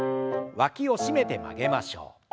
わきを締めて曲げましょう。